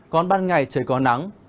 còn ban ngày trời có nắng